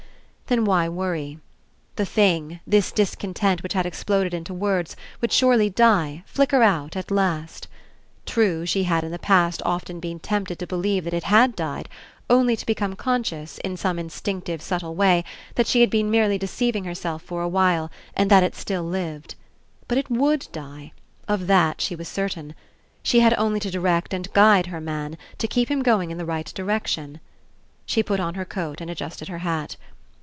Then why worry? The thing, this dis content which had exploded into words, would surely die, flicker out, at last. True, she had in the past often been tempted to believe that it had died, only to become conscious, in some instinctive, subtle way, that she had been merely deceiving herself for a while and that it still lived. But it would die. Of that she was certain. She had only to direct and guide her man, to keep him going in the right direction. She put on her coat and adjusted her hat.